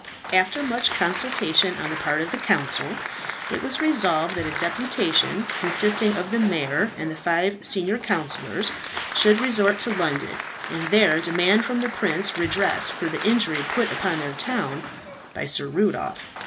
After much consultation on the part of the council, it was resolved that a deputation, consisting of the mayor and the five senior councillors, should resort to London, and there demand from the prince redress for the injury put upon their town by Sir Rudolph.